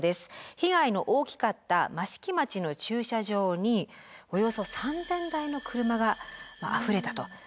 被害の大きかった益城町の駐車場におよそ３，０００台の車があふれたと。